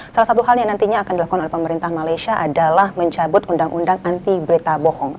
salah satu hal yang nantinya akan dilakukan oleh pemerintah malaysia adalah mencabut undang undang anti berita bohong ataupun anti fake news ad